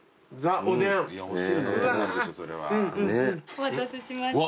お待たせしました。